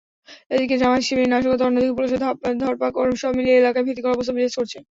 একদিকে জামায়াত-শিবিরের নাশকতা, অন্যদিকে পুলিশের ধরপাকড়—সব মিলিয়ে এলাকায় ভীতিকর অবস্থা বিরাজ করছে।